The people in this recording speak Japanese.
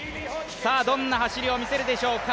どんな走りを見せるでしょうか。